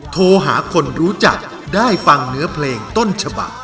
โทรหาคนรู้จักได้ฟังเนื้อเพลงต้นฉบัก